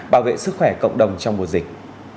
bảo vệ sức khỏe cộng đồng trong mùa dịch